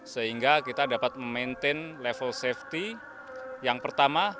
sehingga kita dapat memaintain level safety yang pertama